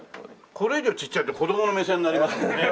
これ以上ちっちゃいと子供の目線になりますもんね。